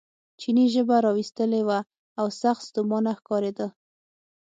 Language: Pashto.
چیني ژبه را ویستلې وه او سخت ستومانه ښکارېده.